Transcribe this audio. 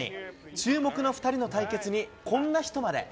注目の２人の対決に、こんな人まで。